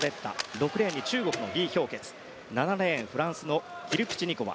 ６レーンに中国のリ・ヒョウケツ７レーン、フランスキルピチニコワ。